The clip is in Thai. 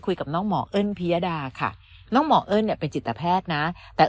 คุยกับน้องหมอเอิ้นพิยดาค่ะน้องหมอเอิ้นเนี่ยเป็นจิตแพทย์นะแต่